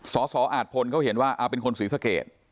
สสอาจพลเขาเห็นว่าเป็นคนศรีสเกต